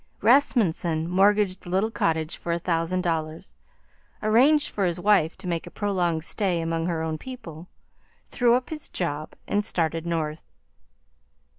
Rasmunsen mortgaged the little cottage for a thousand dollars, arranged for his wife to make a prolonged stay among her own people, threw up his job, and started North.